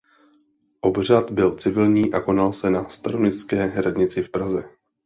Obřad byl civilní a konal se na Staroměstské radnici v Praze.